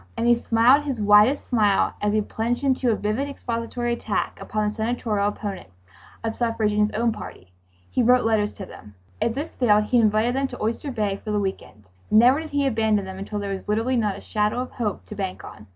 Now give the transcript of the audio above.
And he smiled his widest smile as he plunged into a vivid expository attack upon the Senatorial opponents of suffrage in his own party. He wrote letters to them. If this failed, he invited them to Oyster Bay for the week end. Never did he abandon them until there was literally not a shadow of hope to bank on.